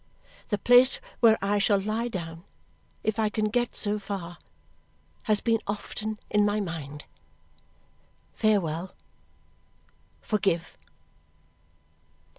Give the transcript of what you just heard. The place where I shall lie down, if I can get so far, has been often in my mind. Farewell. Forgive.